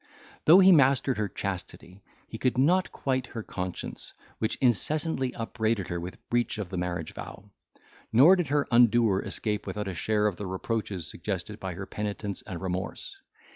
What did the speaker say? Though he mastered her chastity, he could not quiet her conscience, which incessantly upbraided her with breach of the marriage vow; nor did her undoer escape without a share of the reproaches suggested by her penitence and remorse.